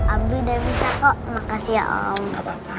abdi udah bisa kok makasih ya om